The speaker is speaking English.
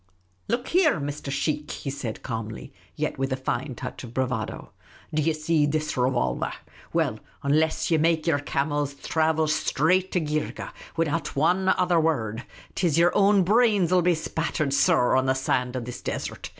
" Look here, Mr. Sheikh," he said, calmly, yet with a fine touch of bravado ;" do ye see this revolver ? Well, unless ye make j'er camels thravel shtraight to Geergeh widout wan other wurrud, 't is yer own brains will be .spattered, sor, on the sand of this desert